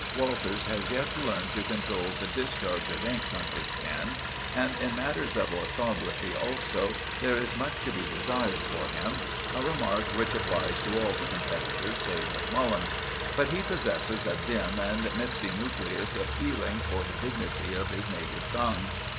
Walters has yet to learn to control the discharge of ink from his pen, and in matters of orthography also there is much to be desired for him—a remark which applies to all the competitors save Macmullen—but he possesses a dim and misty nucleus of feeling for the dignity of his native tongue.